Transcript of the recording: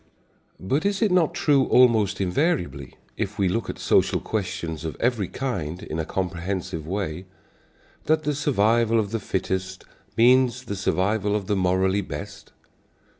But is it not true almost invariably, if we look at social questions of every kind in a comprehensive way, that the survival of the fittest means the survival of the morally best?